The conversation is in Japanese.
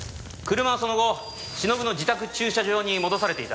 車はその後しのぶの自宅駐車場に戻されていた。